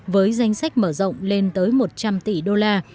với danh sách mở rộng lên tới một trăm linh tỷ đô la